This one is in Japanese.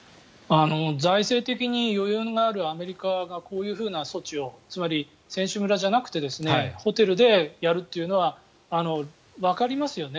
財政的に余裕があるアメリカがこういう措置をつまり、選手村じゃなくてホテルでやるというのはわかりますよね。